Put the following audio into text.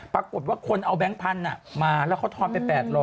ปรากฏว่าคนเอาแบงค์พันธุ์มาแล้วเขาทอนไป๘๐๐